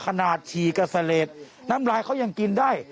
ฉี่กับเสลดน้ำลายเขายังกินได้